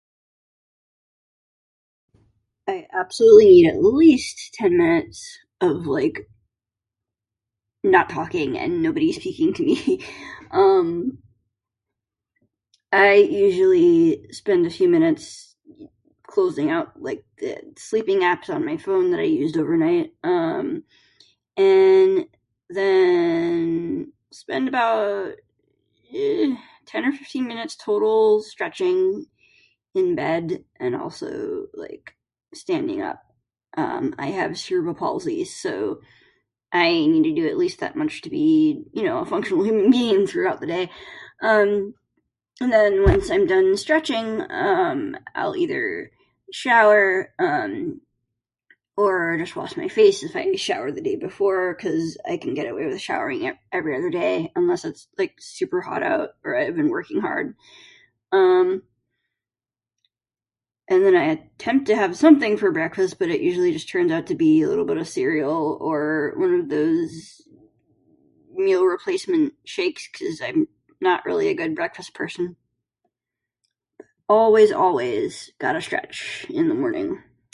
I absolutely at least 10 minutes of, like, not talking and nobody speaking to me. Um... I usually spend a few minutes closing out, like, the sleeping apps on my phone that I used overnight. Um. And then spend about, eh, 10 or 15 minutes total stretching in bed and also, like, standing up. Um. I have Cerebral Palsy so I need to do at least that much to be, you know, functionally me throughout the day. Um. And then once I'm done stretching, um, I'll either shower, um, or just wash my face if I showered the day before cause I can get away with showering every other day, unless its like super hot out or i've been working hard. Um... and then I attempt to have something for breakfast, but it usually just turns out to be a little bit of cereal or one of those meal replacement shakes cause I'm not really a good breakfast person. Always, always gotta stretch in the morning.